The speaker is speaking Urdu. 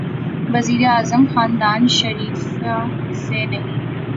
وزیر اعظم خاندان شریفیہ سے نہیں۔